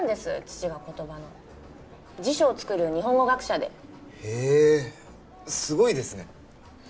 父が言葉の辞書を作る日本語学者でへえすごいですね